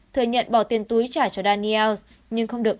thừa nhận bỏ tiền túi trả cho daniels nhưng không được